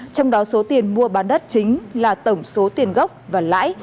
trong đó số tiền mua bán đất chính là tổng số tiền gốc và lãi